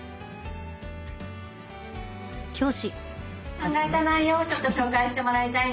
考えた内容をちょっと紹介してもらいたいなと思います